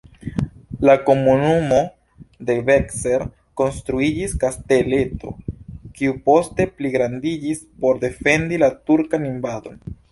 En komunumo Devecser konstruiĝis kasteleto, kiu poste pligrandiĝis por defendi la turkan invadon.